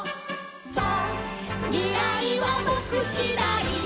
「そうみらいはぼくしだい」